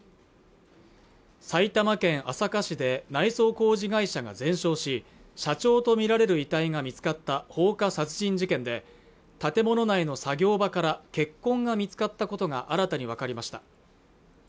埼玉県朝霞市で内装工事会社が全焼し社長とみられる遺体が見つかった放火殺人事件で建物内の作業場から血痕が見つかったことが新たに分かりました